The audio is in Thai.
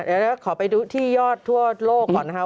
เดี๋ยวขอไปดูที่ยอดทั่วโลกก่อนนะครับ